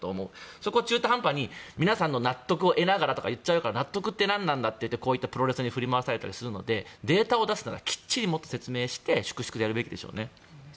そこを中途半端に皆さんの納得を得ながらとか言っちゃうから納得って何なんだってこういうプロレスに振り回されると思うのでデータに基づいて粛々とやるべきでしょう。